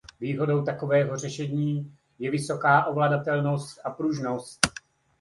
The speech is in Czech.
Výhodou takového řešení je vysoká ovladatelnost a pružnost.